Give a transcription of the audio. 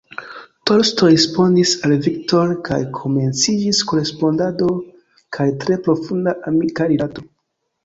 Tolstoj respondis al Victor kaj komenciĝis korespondado kaj tre profunda amika rilato.